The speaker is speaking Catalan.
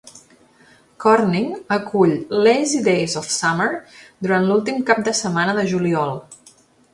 Corning acull "Lazy Days of Summer" durant l'últim cap de setmana de juliol.